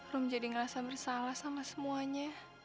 rom jadi ngerasa bersalah sama semuanya